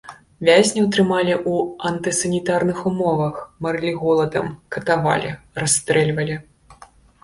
Вязняў трымалі ў антысанітарных умовах, марылі голадам, катавалі, расстрэльвалі.